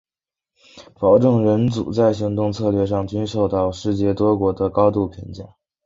保护证人组在行动策略上均受到世界多国的高度评价。